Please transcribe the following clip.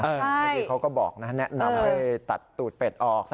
เมื่อกี้เขาก็บอกนะแนะนำให้ตัดตูดเป็ดออก